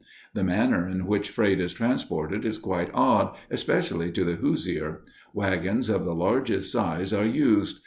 The manner in which freight is transported is quite odd, especially to a "Hoosier." Wagons of the largest size are used.